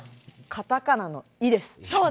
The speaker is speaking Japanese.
カタカナの「イ」です。